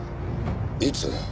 いつ？